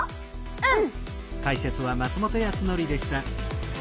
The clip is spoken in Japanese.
うん！